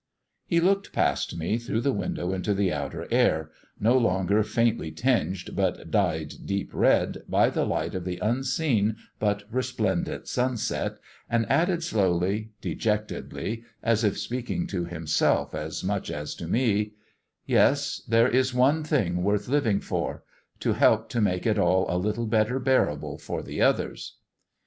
He looked past me through the window into the outer air, no longer faintly tinged, but dyed deep red by the light of the unseen but resplendent sunset, and added slowly, dejectedly, as if speaking to himself as much as to me "Yes, there is one thing worth living for to help to make it all a little more bearable for the others."